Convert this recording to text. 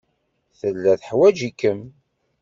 Tella teḥwaj-ikem.